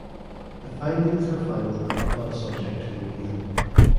The findings are final and not subject to appeal.